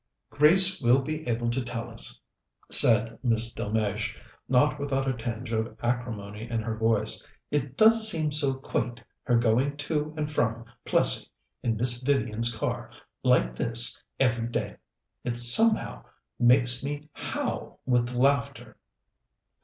"Grace will be able to tell us," said Miss Delmege, not without a tinge of acrimony in her voice. "It does seem so quaint, her going to and from Plessing in Miss Vivian's car, like this, every day. It somehow makes me howl with laughter."